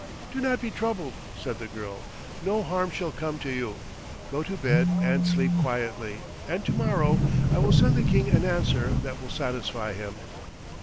"Do not be troubled," said the girl. "No harm shall come to you. Go to bed and sleep quietly, and to morrow I will send the King an answer that will satisfy him."